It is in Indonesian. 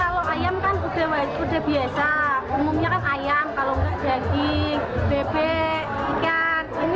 soalnya kalau ayam kan sudah biasa umumnya kan ayam kalau enggak daging bebek ikan